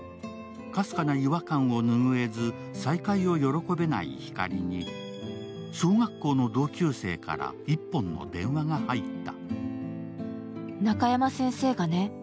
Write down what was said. かすかな違和感を拭えず、再会を喜べない光に小学校の同級生から１本の電話が入った。